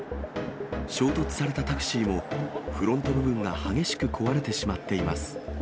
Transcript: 衝突されたタクシーも、フロント部分が激しく壊れてしまっています。